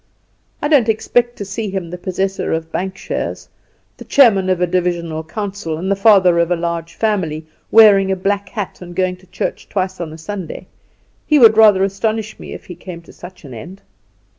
"I don't expect to see him the possessor of bank shares, the chairman of a divisional council, and the father of a large family; wearing a black hat, and going to church twice on a Sunday. He would rather astonish me if he came to such an end."